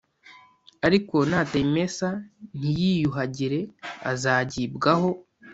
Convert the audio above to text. Ariko natayimesa ntiyiyuhagire azagibwaho